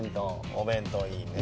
お弁当いいね。